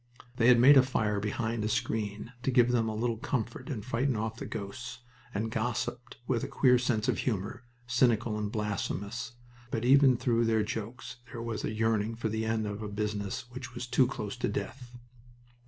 They had made a fire behind a screen to give them a little comfort and frighten off the ghosts, and gossiped with a queer sense of humor, cynical and blasphemous, but even through their jokes there was a yearning for the end of a business which was too close to death.